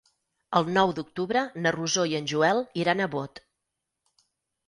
El nou d'octubre na Rosó i en Joel iran a Bot.